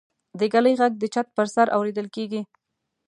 د ږلۍ غږ د چت پر سر اورېدل کېږي.